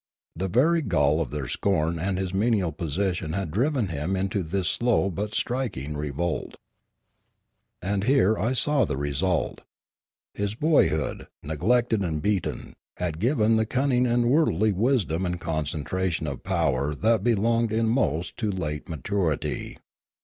The very gall of their scorn and of his menial position had driven him into this slow but striking revolt. And here I saw the result. His boyhood, neglected and beaten, had given the cunning and worldly wisdom and concentration of power that belong in most to late maturity.